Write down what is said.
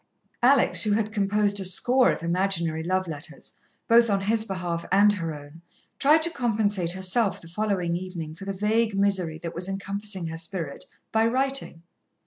Alex, who had composed a score of imaginary love letters, both on his behalf and her own, tried to compensate herself the following evening for the vague misery that was encompassing her spirit, by writing.